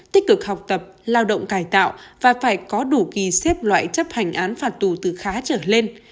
tích cực học tập lao động cải tạo và phải có đủ kỳ xếp loại chấp hành án phạt tù từ khá trở lên